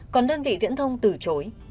còn đơn vị viễn thông từ chối